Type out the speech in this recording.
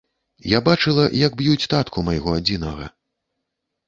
Я бачыла, як б'юць татку майго адзінага.